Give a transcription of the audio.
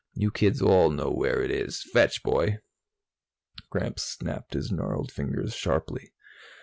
You kids all know where it is. Fetch, boy!" Gramps snapped his gnarled fingers sharply.